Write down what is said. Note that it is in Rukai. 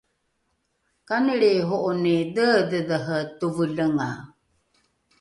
kani lriiho’oni dheedhedhere tovelengae?